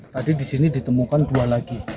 jadi disini ditemukan dua lagi